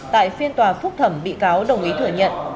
tại phiên tòa phúc thẩm bị cáo đồng ý thừa nhận